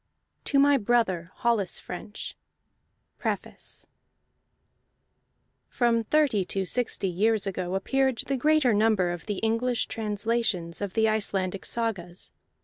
A. TO MY BROTHER HOLLIS FRENCH PREFACE From thirty to sixty years ago appeared the greater number of the English translations of the Icelandic sagas.